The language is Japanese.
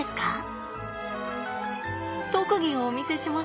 特技をお見せします。